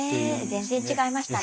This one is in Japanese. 全然違いました。